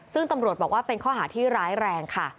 ซึ่งตำรวจบอกว่าเป็นข้อหาที่ร้ายแรงค่ะ